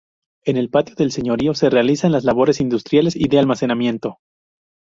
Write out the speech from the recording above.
En el patio del señorío se realizan las labores industriales y de almacenamiento.